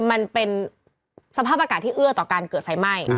มันเป็นสภาพอากาศที่เอื้อต่อการเกิดไฟไหม้